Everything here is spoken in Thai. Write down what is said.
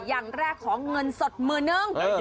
อย่างแรกของเงินสดหมื่นนึง